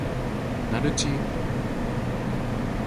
奇門九遁中的人遁、神遁、鬼遁格式都用到了神